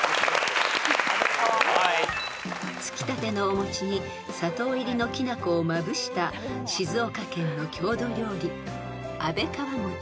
［つきたてのお餅に砂糖入りのきな粉をまぶした静岡県の郷土料理安倍川餅］